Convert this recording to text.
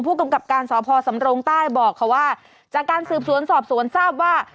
ผู้กำกับการสพสำรงใต้บอกค่ะว่าจากการสืบสวนสอบสวนทราบว่า